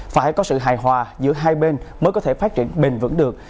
phải có sự hài hòa giữa hai bên mới có thể phát triển bền vững được